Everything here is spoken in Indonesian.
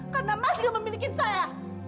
karena mas gak memiliki saya